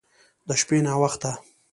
د شپې ناوخته